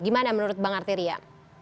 gimana menurut bang arteria